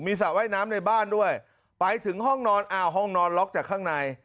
สระว่ายน้ำในบ้านด้วยไปถึงห้องนอนอ้าวห้องนอนล็อกจากข้างใน